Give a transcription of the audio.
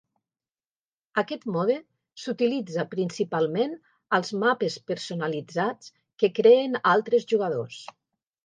Aquest mode s'utilitza principalment als mapes personalitzats que creen altres jugadors.